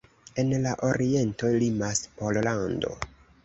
En la oriento limas Pollando.